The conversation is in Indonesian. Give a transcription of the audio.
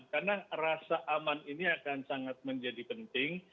karena rasa aman ini akan sangat menjadi penting